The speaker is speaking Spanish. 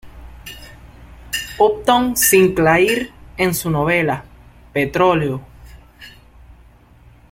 Upton Sinclair, en su novela "¡Petróleo!